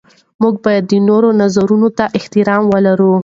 موږ باید د نورو نظرونو ته احترام ولرو.